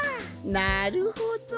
なるほど！